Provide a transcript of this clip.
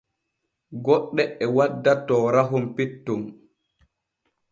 Goɗɗe e wadda toorahon petton.